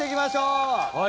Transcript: はい。